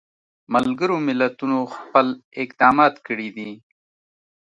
ملګرو ملتونو خپل اقدامات کړي دي.